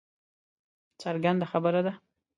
څرګنده خبره ده